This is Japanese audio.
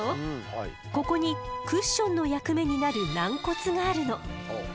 ここにクッションの役目になる軟骨があるの。